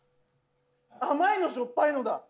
甘いのしょっぱいのだ